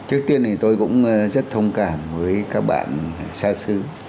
trước tiên thì tôi cũng rất thông cảm với các bạn xa xứ